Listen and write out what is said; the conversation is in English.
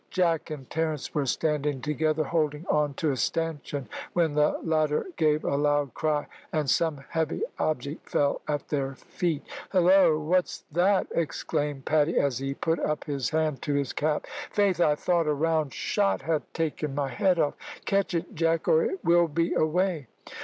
Jack and Terence were standing together, holding on to a stanchion, when the latter gave a loud cry, and some heavy object fell at their feet. "Hillo! what's that?" exclaimed Paddy, as he put up his hand to his cap. "Faith, I thought a round shot had taken my head off. Catch it, Jack, or it will be away."